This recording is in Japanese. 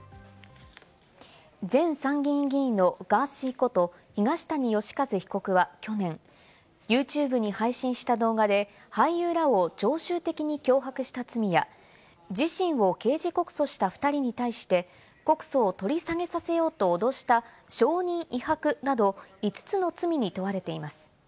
前参議院議員のガーシーこと東谷義和被告は去年、ＹｏｕＴｕｂｅに配信した動画で俳優らを常習的に脅迫した罪や、自身を刑事告訴した２人に対して、告訴を取り下げさせようと脅した、証人威迫など５つの罪に問われています。